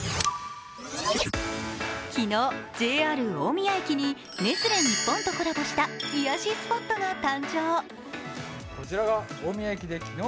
昨日、ＪＲ大宮駅にネスレ日本とコラボした癒やしスポットが誕生。